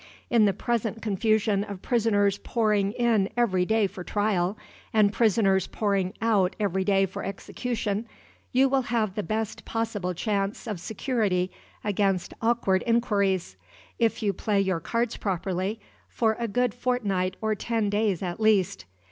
In the present confusion of prisoners pouring in every day for trial, and prisoners pouring out every day for execution, you will have the best possible chance of security against awkward inquiries, if you play your cards properly, for a good fortnight or ten days at least.